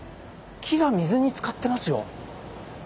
⁉木が水につかってますよ。